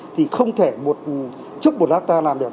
thì không thể một chốc một lát ta làm được